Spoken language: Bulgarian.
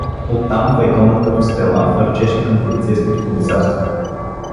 Оттам файтонът като стрела фърчеше към полицейското комисарство.